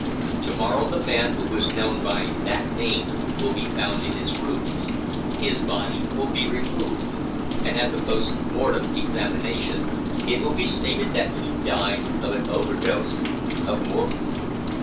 To morrow the man who was known by that name will be found in his rooms; his body will be removed, and at the post modern examination it will be stated that he died of an overdose of morphia.